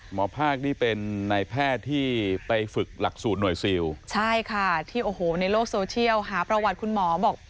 หมอภาคนี่เป็นนายแพทย์ที่ไปฝึกหลักสูตรหน่วยซิลใช่ค่ะที่โอ้โหในโลกโซเชียลหาประวัติคุณหมอบอก